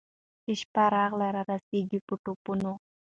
چي شپه راغله رارسېږي په ټوپونو